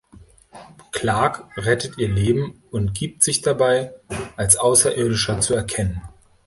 Clark rettet ihr Leben und gibt sich dabei als Außerirdischer zu erkennen.